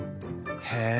へえ！